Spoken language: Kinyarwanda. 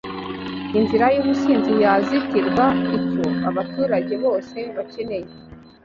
inzira y’ubusinzi yazitirwa. Icyo abaturage bose bakeneye